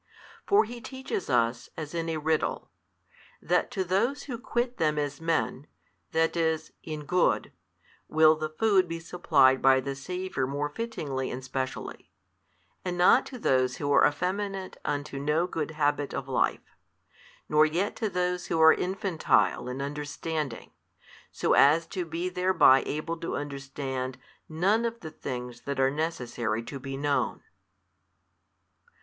For he teaches us, as in a riddle, that to those who quit them as men, that is, in good, will the food be supplied by the Saviour more fittingly and specially, and not to those who are effeminate unto no good habit of life, nor yet to those who are infantile in understanding, so as to be thereby able to understand none of the things that are necessary to be known.